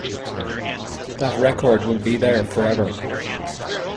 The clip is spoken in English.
That record will be there for ever.